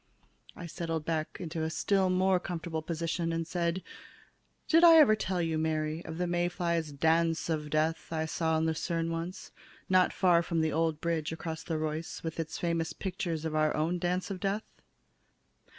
I settled back into a still more comfortable position and said: "Did I ever tell you, Mary, of the May flies' dance of death I saw in Lucerne once, not far from the old bridge across the Reuss with its famous pictures of our own dance of death?